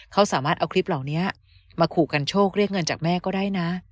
เขาสามารถเอาคลิปเหล่านี้มาขู่กันโชคเรียกเงินจากแม่ก็ได้นะ